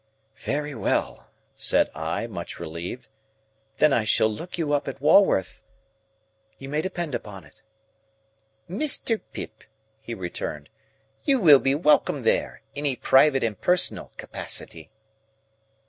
"Very well," said I, much relieved, "then I shall look you up at Walworth, you may depend upon it." "Mr. Pip," he returned, "you will be welcome there, in a private and personal capacity."